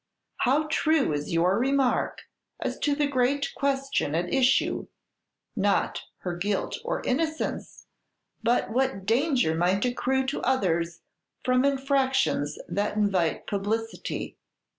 How true is your remark as to the great question at issue, not her guilt or innocence, but what danger might accrue to others from infractions that invite publicity.